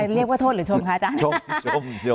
เรียกว่าโทษหรือชมคะอาจารย์ชม